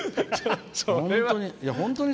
本当に。